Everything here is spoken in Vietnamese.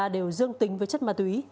dương tính với chất ma túy